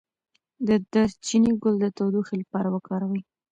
د دارچینی ګل د تودوخې لپاره وکاروئ